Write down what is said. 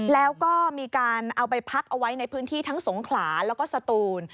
แล้วก็มีการเอาไปพักเอาไว้ในพื้นที่ทั้งสงขลาแล้วก็สตูน